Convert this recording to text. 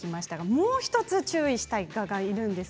もう１つ注意してほしいガがいます。